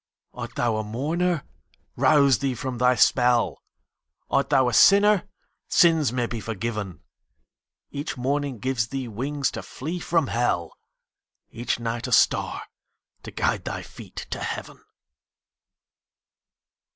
Art thou a mourner? Rouse thee from thy spell ; Art thou a sinner? Sins may be forgiven ; Each morning gives thee wings to flee from hell, Each night a star to guide thy feet to heaven.